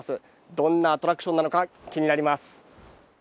どんなアトラクションなのか気になります。